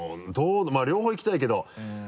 まぁ両方行きたいけど。